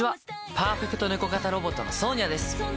パーフェクトネコ型ロボットのソーニャです。